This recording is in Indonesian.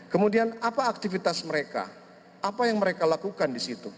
kemudian apa aktivitas mereka apa yang mereka lakukan di situ